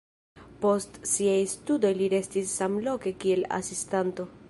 Post siaj studoj li restis samloke kiel asistanto.